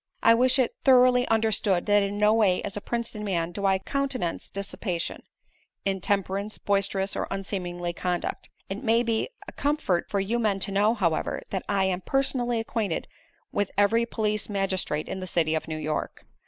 I wish it thoroughly understood that in no way as a Princeton man do I countenance dissipation, intemperance, boisterous or unseemly conduct. It may be a comfort for you men to know, however, that I am personally acquainted with every police magistrate in the City of New York.